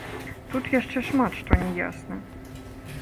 Тут яшчэ шмат што не ясна.